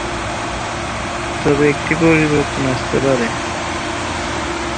তবে একটি পরিবর্তন আসতে পারে।